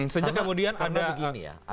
sejak kemudian anda